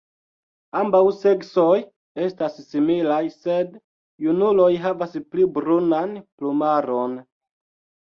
Ambaŭ seksoj estas similaj, sed junuloj havas pli brunan plumaron.